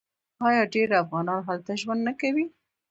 آیا ډیر افغانان هلته ژوند نه کوي؟